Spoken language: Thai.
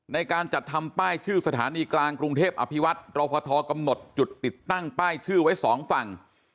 ในการจัดทำป้ายชื่อสถานีกลางกรุงเทพอภิวัตรรอฟทกำหนดจุดติดตั้งป้ายชื่อไว้สองฝั่ง